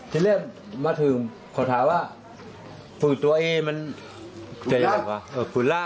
ที่เริ่มมาถึงขอถามว่าฝึกตนายเอกมันคืออะไรพี่นะกว่าคุณราฮ